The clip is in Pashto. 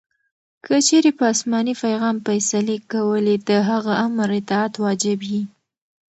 کې چیري په اسماني پیغام فیصلې کولې؛ د هغه آمر اطاعت واجب يي.